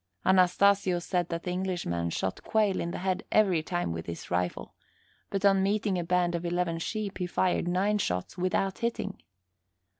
Anastasio said that the Englishman shot quail in the head every time with his rifle, but on meeting a band of eleven sheep he fired nine shots without hitting.